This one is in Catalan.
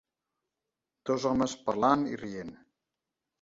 Dos home parlant i rient.